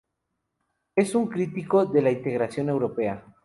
Es un crítico de la integración europea.